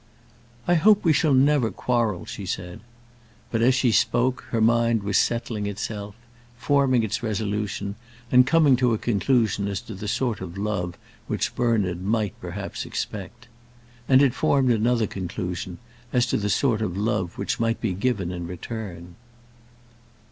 "I hope we shall never quarrel," she said. But as she spoke, her mind was settling itself, forming its resolution, and coming to a conclusion as to the sort of love which Bernard might, perhaps, expect. And it formed another conclusion; as to the sort of love which might be given in return.